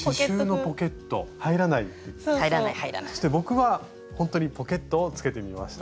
そして僕はほんとにポケットをつけてみました。